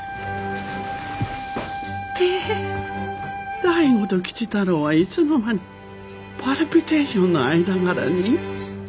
てっ醍醐と吉太郎はいつの間にパルピテーションの間柄に？